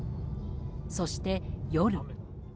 そして、夜。